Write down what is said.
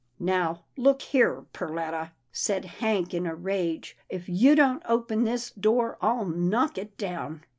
" Now look here, Perletta," said Hank in a rage, " if you don't open this door, I'll knock it down."